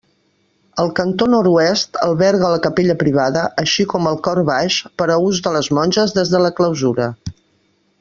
El cantó nord-oest alberga la capella privada, així com el cor baix per a ús de les monges des de la clausura.